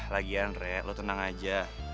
lagian rek lo tenang aja